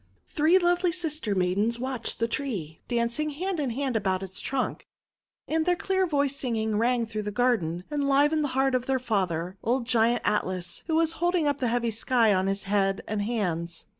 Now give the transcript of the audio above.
Three lovely sister maidens watched the tree, dancing hand in hand about its trunk. And their clear voiced singing rang through the garden, and livened the heart of their father, old Giant Atlas, who was holding up the heavy sky on his head and hands.